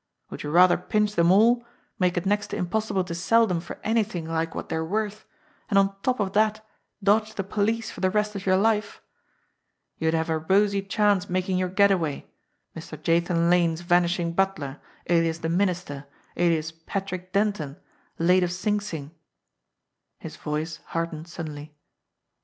Would you rather pinch them all, make it next to impossible to sell them for anything like what they're worth, and on top of that dodge the police for the rest of your life? You'd have a rosy chance making your get away Mr. Jathan Lane's vanishing butler, alias the Minister, alias Patrick Denton, late of Sing Sing!" His voice hardened suddenly.